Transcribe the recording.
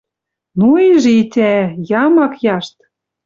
«Ну и житя! Ямак яшт.